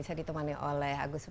yang berlatih gitu